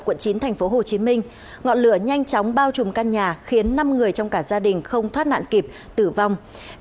quận chín tp hcm ngọn lửa nhanh chóng bao trùm căn nhà khiến năm người trong cả gia đình không thoát nạn kịp tử vong